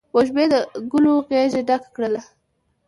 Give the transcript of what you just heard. وږمې د ګلو غیږه ډکه کړله